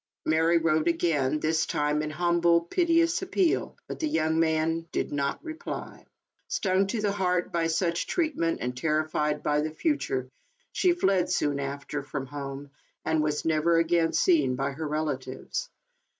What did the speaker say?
Mary wrote again, this tiihe an humble, piteous appeal, but the young man did not reply. Stung to the heart by such treatment, and terrified by the future, she fled, soon after, from home, and was never again seen by her relatives.